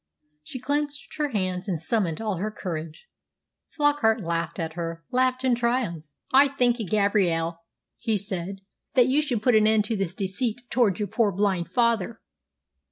She clenched her hands and summoned all her courage. Flockart laughed at her laughed in triumph. "I think, Gabrielle," he said, "that you should put an end to this deceit towards your poor blind father."